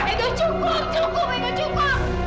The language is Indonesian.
edo cukup cukup edo cukup